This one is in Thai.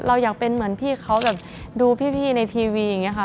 เราอยากเป็นเหมือนพี่เขาแบบดูพี่ในทีวีอย่างนี้ค่ะ